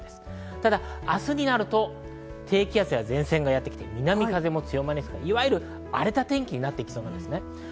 ただ明日になると低気圧や前線がやってきて南風も強まり、いわゆる荒れた天気になりそうです。